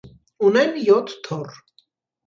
Ունեն յոթ թոռ։